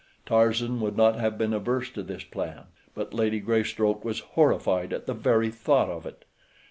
Tarzan would not have been averse to this plan; but Lady Greystoke was horrified at the very thought of it.